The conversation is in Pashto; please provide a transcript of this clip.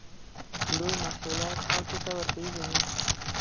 دوی محصولات خلکو ته ورپېژني.